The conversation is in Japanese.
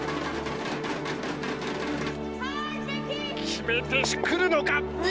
決めてくるのか？